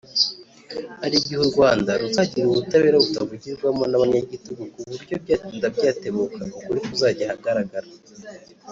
hari igihe u Rwanda ruzagira ubutabera butavugirwamo n’abanyagitugu ku buryo byatinda byatebuka ukuri kuzajya ahagaragara